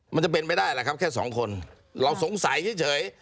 มันจะเป็นไปได้แหละครับแค่สองคนเราสงสัยเฉย